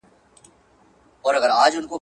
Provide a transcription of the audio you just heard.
اخلاق د علم ترڅنګ ضروري دي.